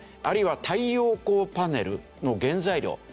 あるいは太陽光パネルの原材料。